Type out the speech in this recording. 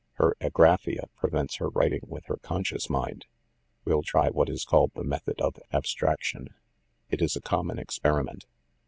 Her agraphia prevents her writing with her conscious mind. We'll try what is called the method of 'abstraction'. It is a common experiment.